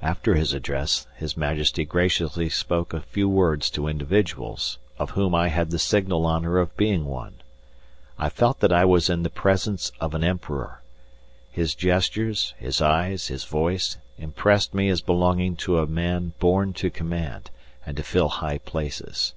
After his address, His Majesty graciously spoke a few words to individuals, of whom I had the signal honour of being one. I felt that I was in the presence of an Emperor. His gestures, his eyes, his voice, impressed me as belonging to a man born to command and to fill high places.